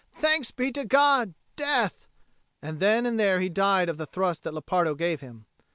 Thanks be to God, death!" And then and there he died of the thrust that Lepardo gave him.